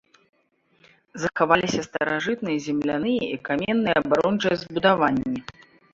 Захаваліся старажытныя земляныя і каменныя абарончыя збудаванні.